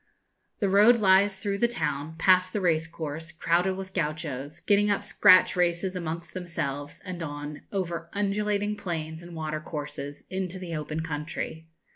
The road lies through the town, past the race course, crowded with Gauchos, getting up scratch races amongst themselves, and on, over undulating plains and water courses, into the open country.